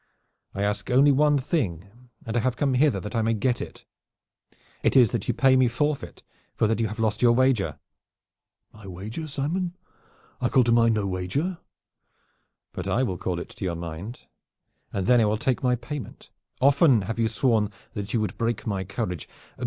"I ask only one thing, and I have come hither that I may get it. It is that you pay me forfeit for that you have lost your wager." "My wager, Simon! I call to mind no wager." "But I will call it to your mind, and then I will take my payment. Often have you sworn that you would break my courage.